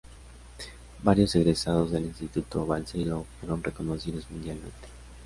Varios egresados del Instituto Balseiro fueron reconocidos mundialmente.